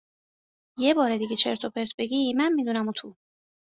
یه بار دیگه چرت و پرت بگی من می دونم و تو